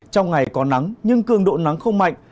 trong ngày có nắng nhưng cường độ nắng không mạnh